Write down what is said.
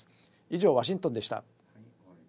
以上、ワシントンでした。